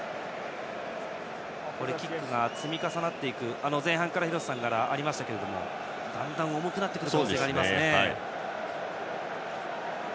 キックが積み重なっていくと前半から廣瀬さんがおっしゃっていましたがだんだん重くなってくる感じがあります。